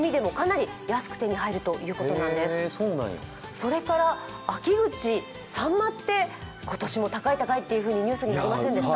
それから秋口、サンマって今年も高い高いってニュースになりませんでした？